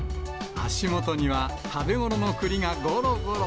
足元には食べ頃のくりがごろごろ。